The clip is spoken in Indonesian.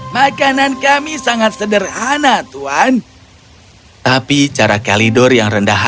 makanan kami sangat sederhana tuan